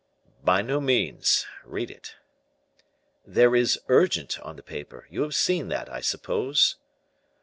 "By no means; read it." "There is 'Urgent,' on the paper; you have seen that, I suppose?"